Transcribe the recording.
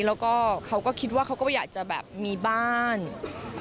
แล้วก็เขาก็คิดว่าเขาก็อยากจะแบบมีบ้านเอ่อ